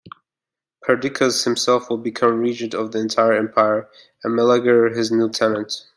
Perdiccas himself would become regent of the entire empire, and Meleager his lieutenant.